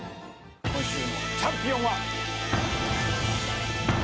今週のチャンピオンは。